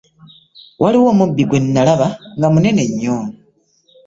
Waliwo nabbubi gwe nalaba nga munene nnyo.